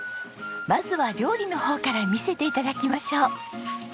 まずは料理の方から見せて頂きましょう。